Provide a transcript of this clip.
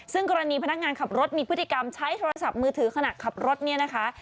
ซึ่งกรณีพนักงานขับรถมีพฤติกรรมใช้โทรศัพท์มือถือขณะขับรถเนี่ยนะคะ